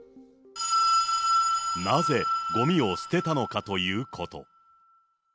なぜ、ごみを捨てたのかということ。